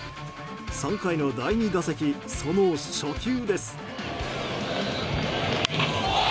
３回の第２打席、その初球です。